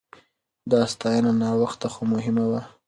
دا ستاينه ناوخته خو مهمه وه.